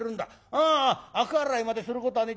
あああか洗いまですることはねえ。